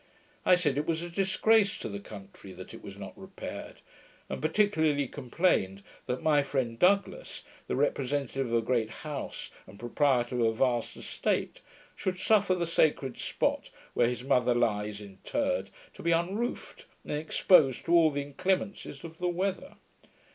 I said, it was a disgrace to the country that it was not repaired: and particularly complained that my friend Douglas, the representative of a great house, and proprietor of a vast estate, should suffer the sacred spot where his mother lies interred, to be unroofed, and exposed to all the inclemencies of the weather.